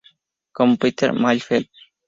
Con Peter Mayfield.